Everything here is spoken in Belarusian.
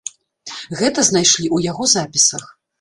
Гэта знайшлі ў яго запісах.